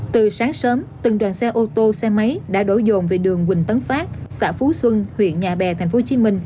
từ sáng sớm từng đoàn xe ô tô xe máy đã đổ dồn về đường quỳnh tấn phát xã phú xuân huyện nhà bè tp hcm